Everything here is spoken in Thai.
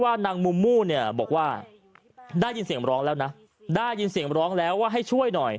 นางมุมมู่เนี่ยบอกว่าได้ยินเสียงร้องแล้วนะได้ยินเสียงร้องแล้วว่าให้ช่วยหน่อย